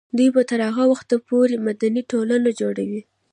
دوی به تر هغه وخته پورې مدني ټولنه جوړوي.